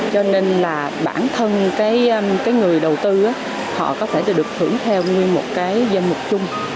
cho nên bản thân người đầu tư có thể được thưởng theo nguyên một danh mục chung